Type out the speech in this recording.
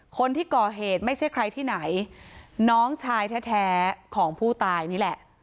คนที่ก่อเหตุไม่ใช่ใครที่ไหนน้องชายแท้ของผู้ตายนี่แหละ